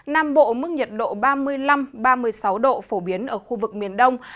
nam bộ mức nhiệt độ ba mươi năm ba mươi sáu độ phổ biến ở khu vực miền đông